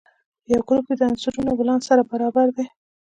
په یوه ګروپ کې د عنصرونو ولانس سره برابر دی.